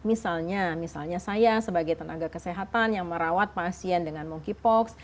misalnya misalnya saya sebagai tenaga kesehatan yang merawat pasien dengan monkeypox